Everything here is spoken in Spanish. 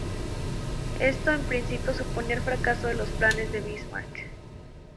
Esto, en principio, suponía el fracaso de los planes de Bismarck.